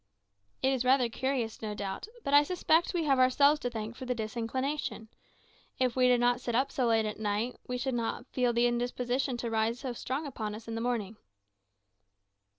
"It is rather curious, no doubt. But I suspect we have ourselves to thank for the disinclination. If we did not sit up so late at night we should not feel the indisposition to rise so strong upon us in the morning."